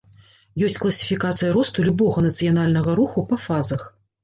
Ёсць класіфікацыя росту любога нацыянальнага руху па фазах.